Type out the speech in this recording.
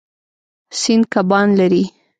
سیند کبان لري.